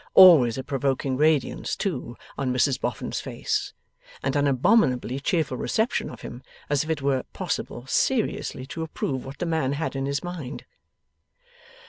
Always a provoking radiance too on Mrs Boffin's face, and an abominably cheerful reception of him, as if it were possible seriously to approve what the man had in his mind!